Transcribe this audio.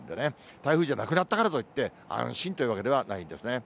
台風じゃなくなったからといって、安心というわけではないんですね。